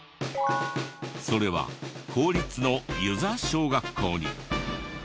それは公立の遊佐小学校に。